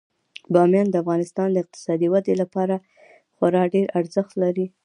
بامیان د افغانستان د اقتصادي ودې لپاره خورا ډیر ارزښت لري.